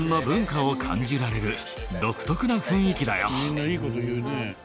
みんないい事言うね。